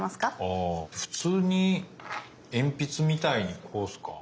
あ普通に鉛筆みたいにこうっすか？